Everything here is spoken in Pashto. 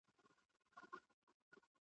زرکي وویل پر ما باندي قیامت وو !.